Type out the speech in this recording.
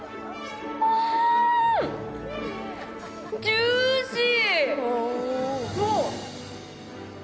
ジューシー！